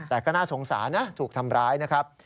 แต่ก็น่าสงสารนะถูกทำร้ายนะครับ